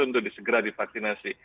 untuk segera divaksinasi